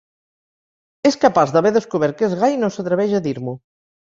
És capaç d'haver descobert que és gai i no s'atreveix a dir-m'ho.